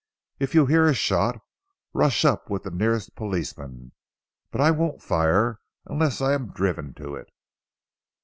If you hear a shot, rush up with the nearest policeman. But I won't fire unless I am driven to it."